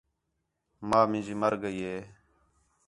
ماں مینجی مر ڳئی ہِے